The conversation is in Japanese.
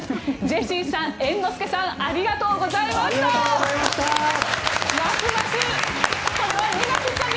ジェシーさん、猿之助さんありがとうございました。